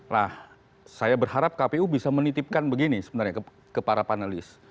nah saya berharap kpu bisa menitipkan begini sebenarnya ke para panelis